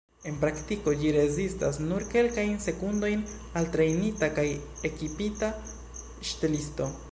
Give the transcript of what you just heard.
En praktiko, ĝi rezistas nur kelkajn sekundojn al trejnita kaj ekipita ŝtelisto.